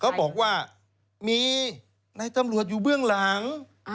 เขาบอกว่ามีในตำรวจอยู่เบื้องหลัง